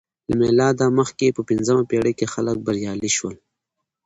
له میلاده مخکې په پنځمه پېړۍ کې خلک بریالي شول